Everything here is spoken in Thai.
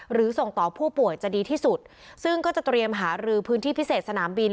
หรือส่งต่อผู้ป่วยจะดีที่สุดซึ่งก็จะเตรียมหารือพื้นที่พิเศษสนามบิน